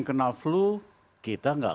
kena flu kita nggak